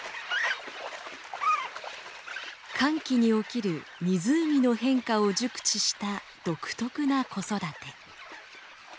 乾季に起きる湖の変化を熟知した独特な子育て。